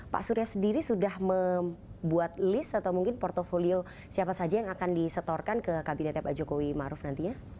pak surya sendiri sudah membuat list atau mungkin portfolio siapa saja yang akan disetorkan ke kabinetnya pak jokowi maruf nantinya